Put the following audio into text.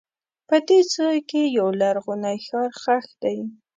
په دې ځای کې یو لرغونی ښار ښخ دی.